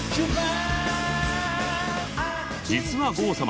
実は郷様